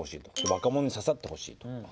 若者に刺さってほしいと。